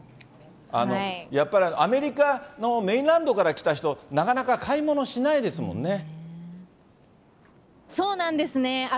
やっぱりアメリカのメインランドからなかなか買い物しないでそうなんですね。